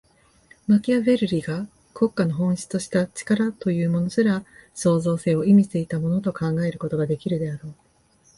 マキアヴェルリが国家の本質とした「力」というものすら、創造性を意味していたものと考えることができるであろう。